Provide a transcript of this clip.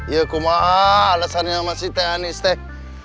ya aku maaf alasannya sama si tee anis tee